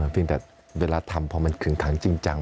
เพียงแต่เวลาทำพอมันขึงขังจริงจัง